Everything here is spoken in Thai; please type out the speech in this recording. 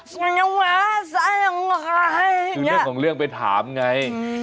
คือเรื่องของเรื่องไปถามไง